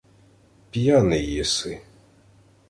— П'яний єси.